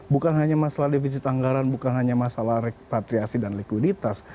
bukan hanya masalah defisit anggaran bukan hanya masalah repatriasi dan likuiditas